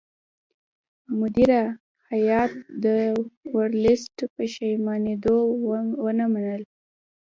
مدیره هیات د ورلسټ پېشنهادونه ونه منل.